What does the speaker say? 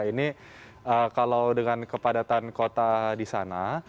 ini kalau dengan kepadatan kota di sana